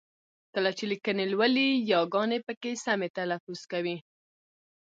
کله چې لیکني لولئ ی ګاني پکې سمې تلفظ کوئ!